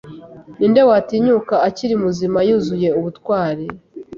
Ninde watinyuka akiri muzima yuzuye ubutwari